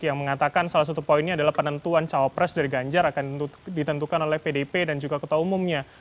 yang mengatakan salah satu poinnya adalah penentuan cawapres dari ganjar akan ditentukan oleh pdp dan juga kota umumnya